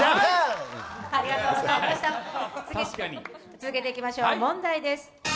続けていきましょう、問題です。